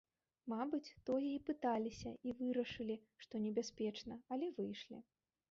Мабыць, тое і пыталіся, і вырашылі, што небяспечна, але выйшлі.